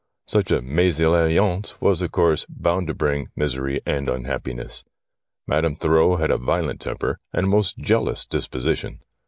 Such a mesalliance was, of course, bound to bring misery and unhappiness. Madame Thurreau had a violent temper and a most jealous disposition.